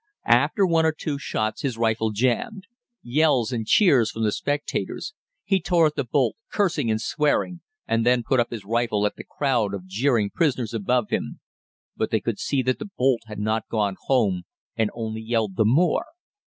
After one or two shots his rifle jammed. Yells and cheers from the spectators. He tore at the bolt, cursing and swearing, and then put up his rifle at the crowd of jeering prisoners above him. But they could see that the bolt had not gone home and only yelled the more.